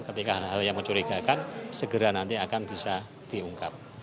ketika hal hal yang mencurigakan segera nanti akan bisa diungkap